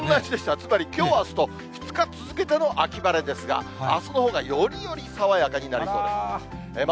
つまりきょう、あすと２日続けての秋晴れですが、あすのほうがより爽やかになりそうです。